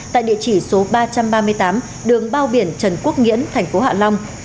tại địa chỉ số ba trăm ba mươi tám đường bao biển trần quốc nghĩễn tp hạ long